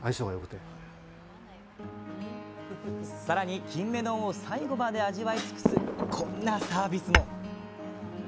更にキンメ丼を最後まで味わい尽くすこんなサービスも。